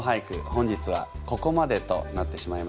本日はここまでとなってしまいました。